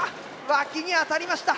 脇に当たりました。